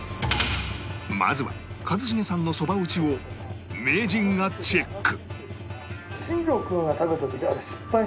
まずは一茂さんのそば打ちを名人がチェック